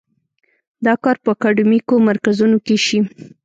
دا کار په اکاډیمیکو مرکزونو کې شي.